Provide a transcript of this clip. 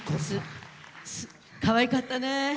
かわいかったね。